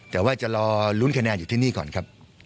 แต่ว่าจะรอลุ้นคะแนนอยู่ที่นี่ก่อนครับ